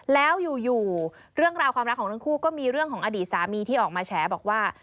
แล้วอยู่เรื่องราวความรักของทั้งคู่ก็มีเรื่องของอดีตสามีที่ออกมาแฉบอกว่า